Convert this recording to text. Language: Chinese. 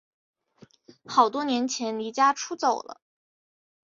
好多年前离家出走了